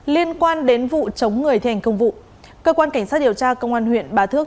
liên quan đến vụ chống người thi hành công vụ cơ quan cảnh sát điều tra công an huyện bà thước